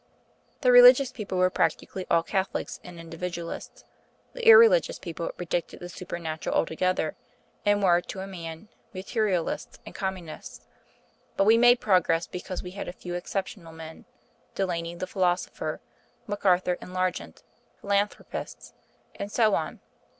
The religious people were practically all Catholics and Individualists; the irreligious people rejected the supernatural altogether, and were, to a man, Materialists and Communists. But we made progress because we had a few exceptional men Delaney the philosopher, McArthur and Largent, the philanthropists, and so on.